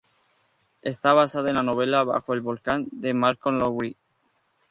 Está basada en la novela "Bajo el volcán" de Malcolm Lowry.